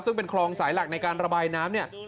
ซึ่งเป็นคลองสายหลักในการระบายน้ำเนี่ย